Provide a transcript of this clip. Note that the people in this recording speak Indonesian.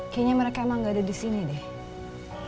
kayaknya mereka emang gak ada disini deh